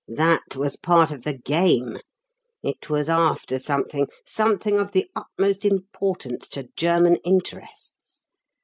That was part of the game. It was after something. Something of the utmost importance to German interests.